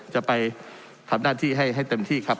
จะไปทำหน้าที่ให้เต็มที่ครับ